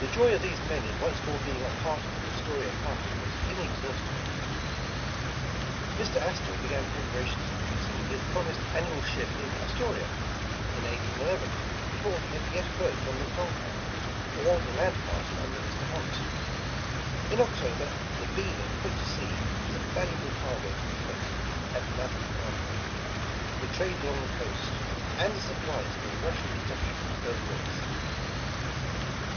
The joy of these men in once more being a part of the Astoria party was inexhaustible. Mr. Astor began preparations for sending his prom ised annual ship in Astoria, in 1811, before he had yet heard from the Tonquin, or the land party under Mr. Hunt. In October the Beaver put to sea with a valu able cargo for the post at the mouth of the Columbia, the trade along the coast, and the supplies for the Rus sian establishment further north.